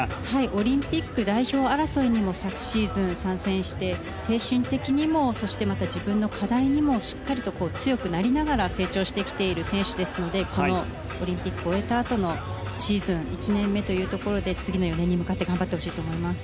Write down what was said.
オリンピック代表争いにも昨シーズン参戦して精神的にも、また自分の課題にもしっかりと強くなりながら成長してきている選手ですのでこのオリンピックを終えたあとのシーズン１年目というところで次の４年に向かって頑張ってほしいと思います。